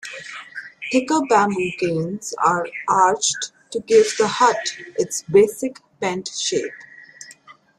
Thicker bamboo canes are arched to give the hut its basic pent shape.